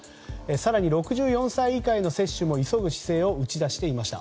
更に６４歳以下への接種も急ぐ姿勢を出していました。